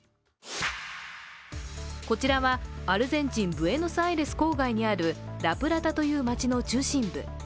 こちらはアルゼンチンブエノスアイレス郊外にあるラプラタという街の中心部。